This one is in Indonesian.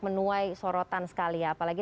menuai sorotan sekali ya apalagi